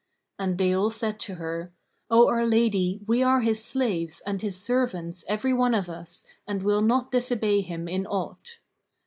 And they all said to her, 'O our lady, we are his slaves and his servants every one of us and will not disobey him in aught.'